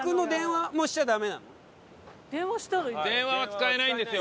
電話は使えないんですよ